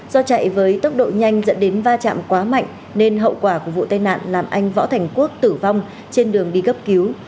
do chạy với tốc độ nhanh dẫn đến va chạm quá mạnh nên hậu quả của vụ tai nạn làm anh võ thành quốc tử vong trên đường đi cấp cứu